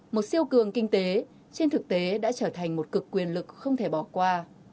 một siêu cường kinh tế trên thực tế đã trở thành một cực quyền lực không thể bỏ qua